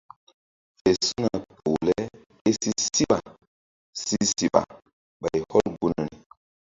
WF su̧na poh le ké si síɓa si siɓa ɓay hɔl gunri.